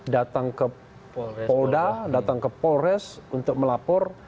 datang ke polda datang ke polres untuk melapor